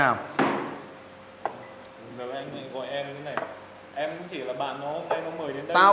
em cũng chỉ là bạn nó